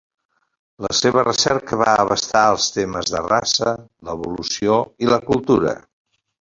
La seva recerca va abastar els temes de la raça, l'evolució i la cultura.